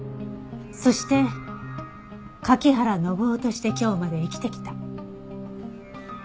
そして柿原伸緒として今日まで生きてきた。